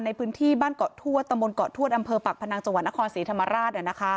ในพื้นที่บ้านเกาะทวดตะมนตเกาะทวดอำเภอปากพนังจังหวัดนครศรีธรรมราช